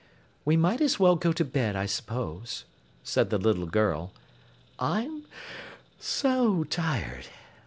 "We might as well go to bed, I 'spose," said the little girl. "I'm so tired!"